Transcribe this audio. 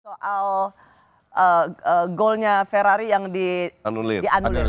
soal golnya ferrari yang di anulir